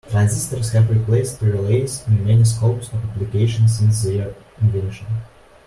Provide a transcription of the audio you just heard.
Transistors have replaced relays in many scopes of application since their invention.